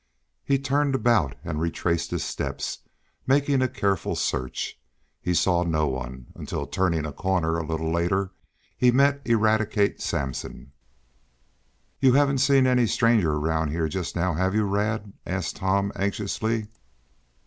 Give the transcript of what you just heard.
He turned about and retraced his steps, making a careful search. He saw no one, until, turning a corner, a little later, he met Eradicate Sampson. "You haven't seen any strangers around here just now, have you, Rad?" asked Tom anxiously.